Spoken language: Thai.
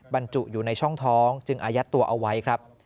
บรรจุอยู่ในช่องท้องจึงอายัดตัวเอาไว้ครับ